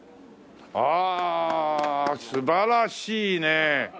ああ素晴らしいね！